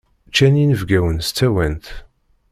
Ččan yinebgawen s tawant.